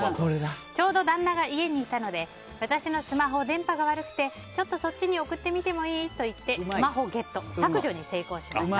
ちょうど旦那が家にいたので私のスマホ電波が悪くてちょっとそっちに送ってみてもいい？と言ってスマホをゲット削除に成功しました。